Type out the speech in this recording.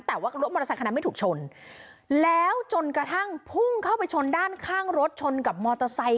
แต่ว่ารถมอเตอร์ไซคันนั้นไม่ถูกชนแล้วจนกระทั่งพุ่งเข้าไปชนด้านข้างรถชนกับมอเตอร์ไซค